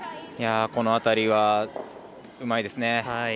この辺りはうまいですね。